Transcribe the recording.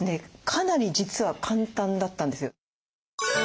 かなり実は簡単だったんですよ。